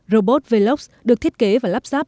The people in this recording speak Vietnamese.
robot velox được thiết kế và lắp ráp